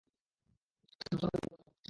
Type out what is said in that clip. ঐ থমসন লোলটার সাথে ম্যাচ।